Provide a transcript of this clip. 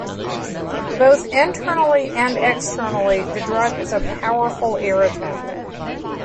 Both internally and externally the drug is a powerful irritant.